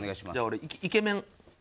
俺イケメン。